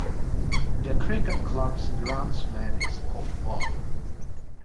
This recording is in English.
The cricket club’s groundsman is called Bob